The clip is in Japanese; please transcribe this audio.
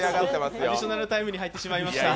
アディショナルタイムに入ってしまいました。